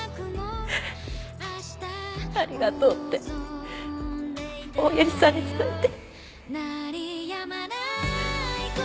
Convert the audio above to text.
ありがとうっておやじさんに伝えて。